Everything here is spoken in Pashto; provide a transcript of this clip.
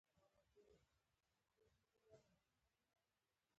بادغیس ولایت د خپل دیموګرافیک وضعیت له مخې پراخې ستونزې لري.